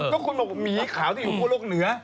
ก็คุณหมีข่าวที่อยู่บนโลกเหนื้อ